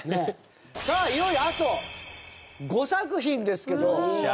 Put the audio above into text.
さあ、いよいよあと５作品ですけど。